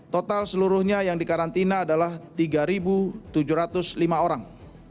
total seluruhnya yang dikarantina adalah tiga tujuh ratus lima orang